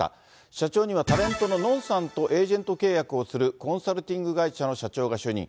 社長にはタレントののんさんとエージェント契約をするコンサルティング会社の社長が就任。